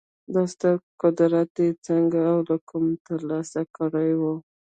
دا ستر قدرت یې څنګه او له کومه ترلاسه کړی و